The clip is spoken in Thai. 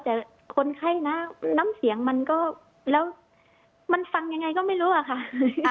แต่คนไข้นะน้ำเสียงมันก็แล้วมันฟังยังไงก็ไม่รู้อะค่ะ